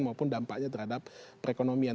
maupun dampaknya terhadap perekonomian